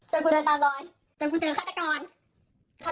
กูเดินตาลอยจนกูเจอฆาตกร